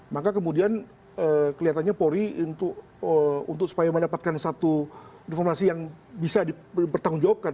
maka kemudian kelihatannya polri untuk supaya mendapatkan satu informasi yang bisa dipertanggungjawabkan